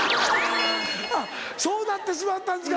あっそうなってしまったんですか！